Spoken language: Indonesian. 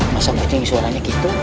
masa kunci suaranya gitu